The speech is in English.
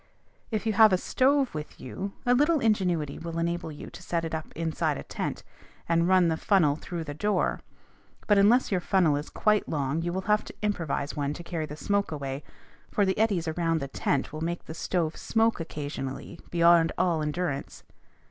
If you have a stove with you, a little ingenuity will enable you to set it up inside a tent, and run the funnel through the door. But, unless your funnel is quite long, you will have to improvise one to carry the smoke away, for the eddies around the tent will make the stove smoke occasionally beyond all endurance.